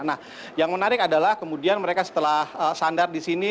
nah yang menarik adalah kemudian mereka setelah sandar di sini